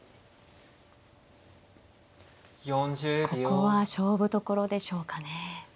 ここは勝負どころでしょうかね。